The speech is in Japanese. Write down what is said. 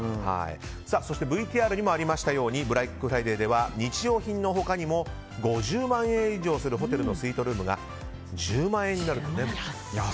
そしてＶＴＲにもありましたようにブラックフライデーでは日用品の他にも５０万円以上するホテルのスイートルームが１０万円になると。